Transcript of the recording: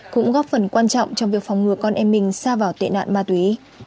cũng góp phần quan trọng trong việc phòng ngừa con em mình xa vào tệ nạn ma túy